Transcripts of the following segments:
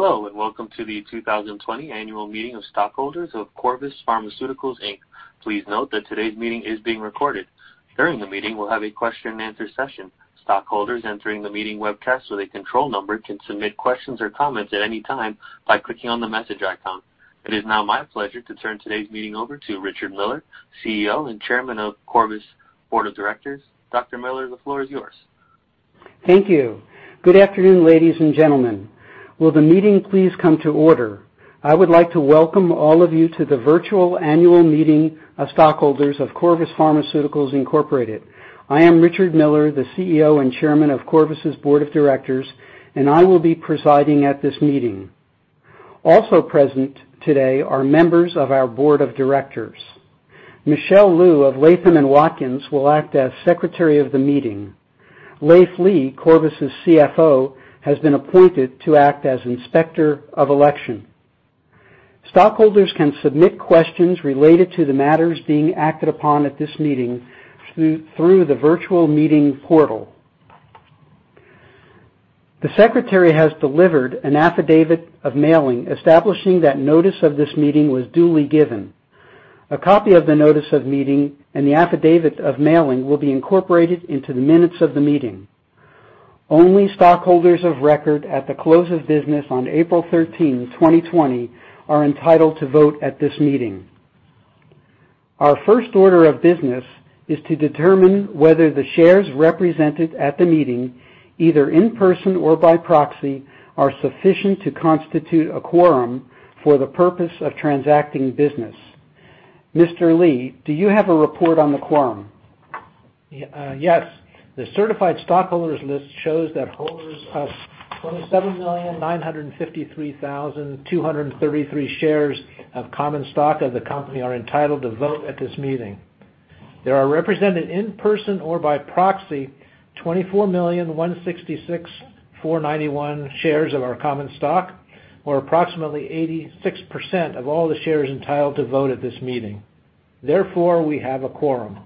Hello, welcome to the 2020 annual meeting of stockholders of Corvus Pharmaceuticals Inc. Please note that today's meeting is being recorded. During the meeting, we'll have a question and answer session. Stockholders entering the meeting webcast with a control number can submit questions or comments at any time by clicking on the message icon. It is now my pleasure to turn today's meeting over to Richard Miller, CEO and Chairman of Corvus Board of Directors. Dr. Miller, the floor is yours. Thank you. Good afternoon, ladies and gentlemen. Will the meeting please come to order? I would like to welcome all of you to the virtual annual meeting of stockholders of Corvus Pharmaceuticals Incorporated. I am Richard Miller, the CEO and Chairman of Corvus's Board of Directors, and I will be presiding at this meeting. Also present today are members of our board of directors. Michelle Lu of Latham & Watkins will act as secretary of the meeting. Leiv Lea, Corvus's CFO, has been appointed to act as inspector of election. Stockholders can submit questions related to the matters being acted upon at this meeting through the virtual meeting portal. The secretary has delivered an affidavit of mailing establishing that notice of this meeting was duly given. A copy of the notice of meeting and the affidavit of mailing will be incorporated into the minutes of the meeting. Only stockholders of record at the close of business on April 13, 2020, are entitled to vote at this meeting. Our first order of business is to determine whether the shares represented at the meeting, either in person or by proxy, are sufficient to constitute a quorum for the purpose of transacting business. Mr. Lea, do you have a report on the quorum? Yes. The certified stockholders list shows that holders of 27,953,233 shares of common stock of the company are entitled to vote at this meeting. There are represented in person or by proxy 24,166,491 shares of our common stock, or approximately 86% of all the shares entitled to vote at this meeting. Therefore, we have a quorum.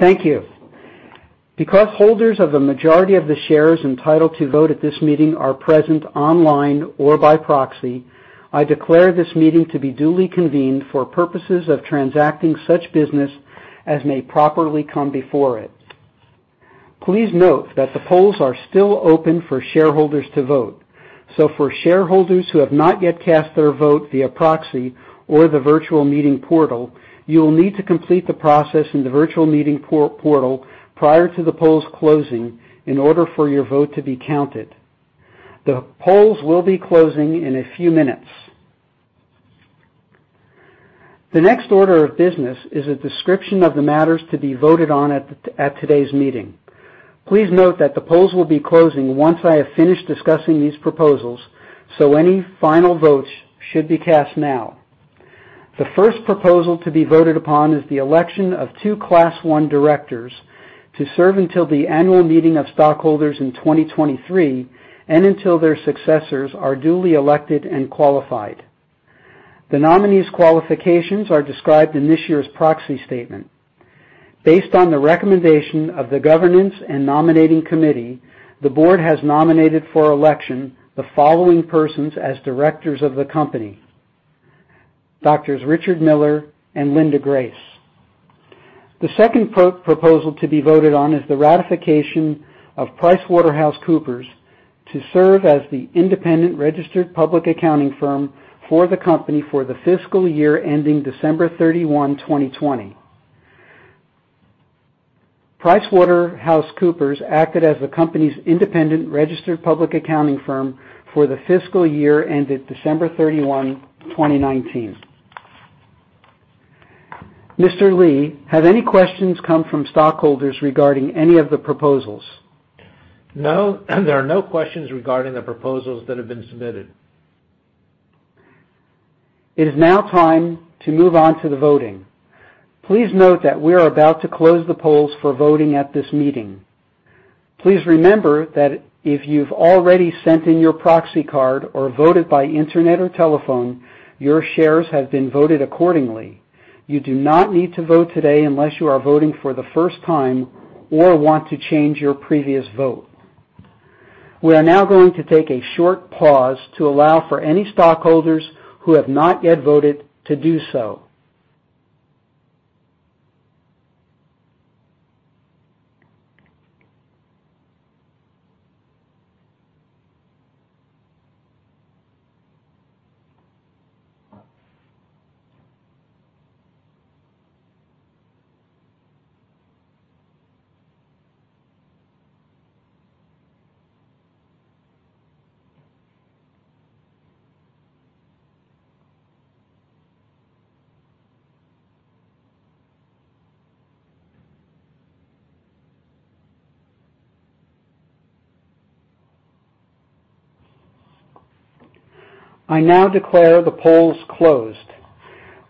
Thank you. Because holders of the majority of the shares entitled to vote at this meeting are present online or by proxy, I declare this meeting to be duly convened for purposes of transacting such business as may properly come before it. Please note that the polls are still open for shareholders to vote. For shareholders who have not yet cast their vote via proxy or the virtual meeting portal, you will need to complete the process in the virtual meeting portal prior to the polls closing in order for your vote to be counted. The polls will be closing in a few minutes. The next order of business is a description of the matters to be voted on at today's meeting. Please note that the polls will be closing once I have finished discussing these proposals, any final votes should be cast now. The first proposal to be voted upon is the election of two Class 1 directors to serve until the Annual Meeting of Stockholders in 2023 and until their successors are duly elected and qualified. The nominees' qualifications are described in this year's proxy statement. Based on the recommendation of the governance and nominating committee, the board has nominated for election the following persons as directors of the company: Drs. Richard Miller and Linda Grais. The second proposal to be voted on is the ratification of PricewaterhouseCoopers to serve as the independent registered public accounting firm for the company for the fiscal year ending December 31, 2020. PricewaterhouseCoopers acted as the company's independent registered public accounting firm for the fiscal year ended December 31, 2019. Mr. Lea, have any questions come from stockholders regarding any of the proposals? No, there are no questions regarding the proposals that have been submitted. It is now time to move on to the voting. Please note that we are about to close the polls for voting at this meeting. Please remember that if you've already sent in your proxy card or voted by internet or telephone, your shares have been voted accordingly. You do not need to vote today unless you are voting for the first time or want to change your previous vote. We are now going to take a short pause to allow for any stockholders who have not yet voted to do so. I now declare the polls closed.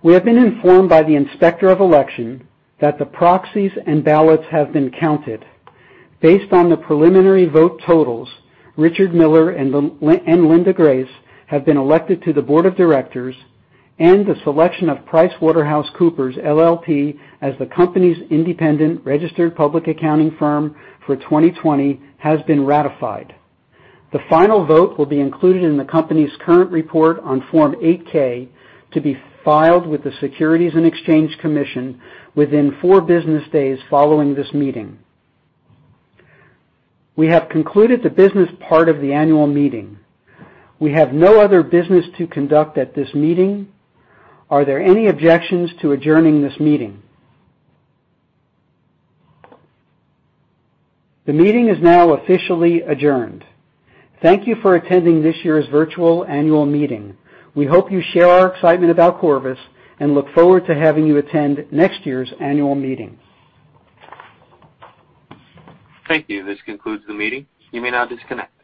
We have been informed by the inspector of election that the proxies and ballots have been counted. Based on the preliminary vote totals, Richard Miller and Linda Grais have been elected to the board of directors and the selection of PricewaterhouseCoopers LLP as the company's independent registered public accounting firm for 2020 has been ratified. The final vote will be included in the company's current report on Form 8-K to be filed with the Securities and Exchange Commission within four business days following this meeting. We have concluded the business part of the annual meeting. We have no other business to conduct at this meeting. Are there any objections to adjourning this meeting? The meeting is now officially adjourned. Thank you for attending this year's virtual annual meeting. We hope you share our excitement about Corvus and look forward to having you attend next year's annual meeting. Thank you. This concludes the meeting. You may now disconnect.